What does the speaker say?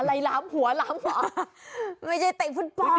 อะไรล้ำหัวล้ำหรอไม่ใช่เตะฟุตปอนด์